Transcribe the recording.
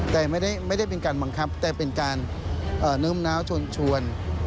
แต่ไม่ได้เป็นการบังคับแต่เป็นการเนิ้มน้าวชวน